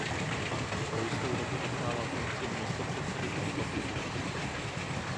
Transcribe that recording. Po jistou dobu zastával funkci místopředsedy tohoto klubu.